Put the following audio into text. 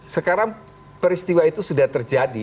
sekarang peristiwa itu sudah terjadi